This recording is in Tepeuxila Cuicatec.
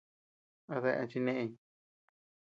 ¿A dae chiñeʼeñ?